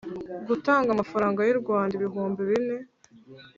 gutanga amafaranga y u Rwanda ibihumbi bine